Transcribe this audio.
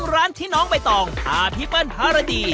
ร้านที่น้องไปต่องพระพิเปิ้ลพาราดี